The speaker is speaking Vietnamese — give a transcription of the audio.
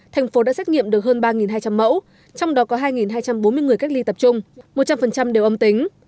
thành phố đã xét nghiệm được hơn ba hai trăm linh mẫu trong đó có hai hai trăm bốn mươi người cách ly tập trung một trăm linh đều âm tính